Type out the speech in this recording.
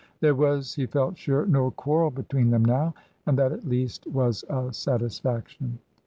There was, he felt sure, no quarrel between them now ; and that at least was a satisfaction.